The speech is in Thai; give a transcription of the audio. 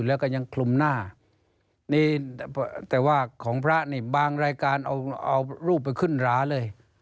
แล้วก็ยังคลุมหน้านี่แต่ว่าของพระนี่บางรายการเอารูปไปขึ้นหราเลย